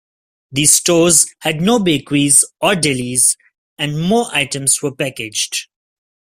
These stores had no bakeries or delis and more items were packaged.